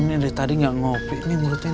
ini dari tadi gak ngopi nih mulut ini